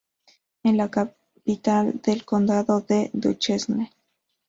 Es la capital del condado de Duchesne.